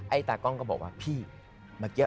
ไอ้ตากล้องก็บอกว่าพี่